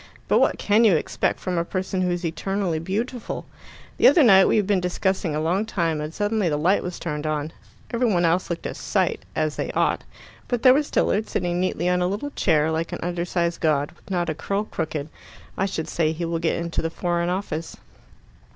"But what can you expect from a person who's eternally beautiful? The other night we had been discussing a long time, and suddenly the light was turned on. Every one else looked a sight, as they ought. But there was Tilliard, sitting neatly on a little chair, like an undersized god, with not a curl crooked. I should say he will get into the Foreign Office."